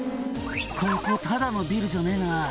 「ここただのビルじゃねえな」